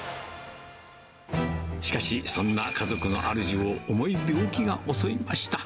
しかし、そんな家族のあるじを重い病気が襲いました。